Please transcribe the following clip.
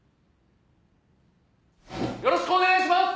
よろしくお願いします！